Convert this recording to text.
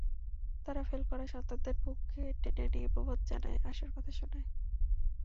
তারা ফেল করা সন্তানদের বুকে টেনে নিয়ে প্রবোধ জানায়, আশার কথা শোনায়।